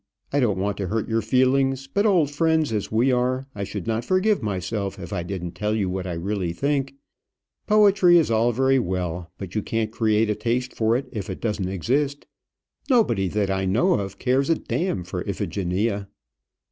I don't want to hurt your feelings; but old friends as we are, I should not forgive myself if I didn't tell you what I really think. Poetry is all very well; but you can't create a taste for it if it doesn't exist. Nobody that I know of cares a d for Iphigenia."